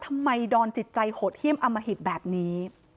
นอนดอนจิตใจโหดเยี่ยมอมหิตแบบนี้